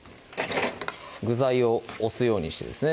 具材を押すようにしてですね